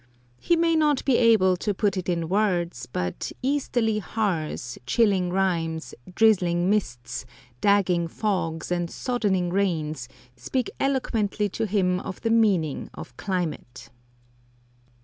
He may not be able to put it in words, but easterly haars, chilling rimes, drizzling mists, dagging fogs, and soddening rains speak eloquently to him of the meaning of climate.